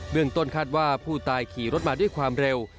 เรื่องต้นคาดว่าผู้ตายขี่รถมาด้วยความเร็ว